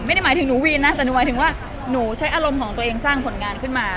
ไม่ได้หมายถึงหนูวีนนะแต่หนูหมายถึงว่าหนูใช้อารมณ์ของตัวเองสร้างผลงานขึ้นมา